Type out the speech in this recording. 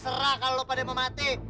eh terserah kalau lo pada mau mati